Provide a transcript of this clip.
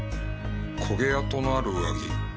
焦げ跡のある上着？